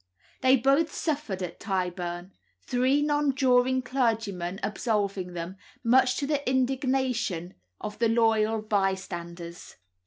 They both suffered at Tyburn, three nonjuring clergymen absolving them, much to the indignation of the loyal bystanders.